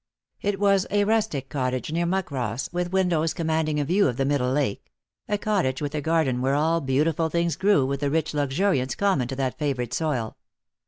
It was a rustic cottage near Muckross, with windows commanding a view of the middle lake — a cottage with a garden where all beautiful things grew with the rich luxuriance common to that favoured soil.